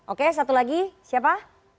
oke satu lagi siapa